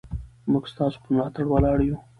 موږ ستاسو په ملاتړ ولاړ یو.